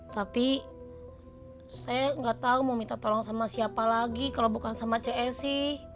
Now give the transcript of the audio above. tapi saya nggak tahu mau minta tolong sama siapa lagi kalau bukan sama cs sih